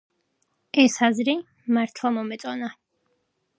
ეს აზრი მართლა მომეწონა.